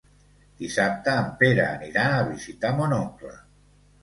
Dissabte en Pere anirà a visitar mon oncle.